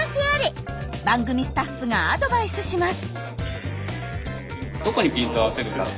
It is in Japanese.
番組スタッフがアドバイスします。